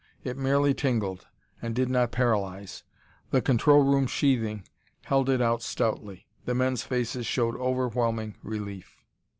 It merely tingled, and did not paralyze! The control room sheathing held it out stoutly. The men's faces showed overwhelming relief.